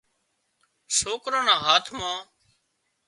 سوڪران نا هاٿ مان